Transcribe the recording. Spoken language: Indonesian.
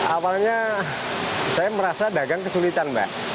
awalnya saya merasa dagang kesulitan mbak